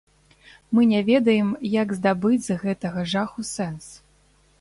Мы не ведаем, як здабыць з гэтага жаху сэнс.